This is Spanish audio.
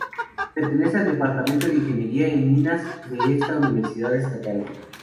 Pertenece al Departamento de Ingeniería en Minas de esta universidad estatal.